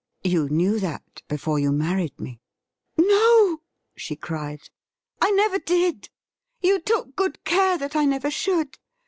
' You knew that before you married me.' ' No !' she cried. ' I never did ! You took good care that I never should.